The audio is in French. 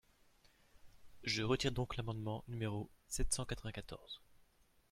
Je retire donc l’amendement numéro sept cent quatre-vingt-quatorze.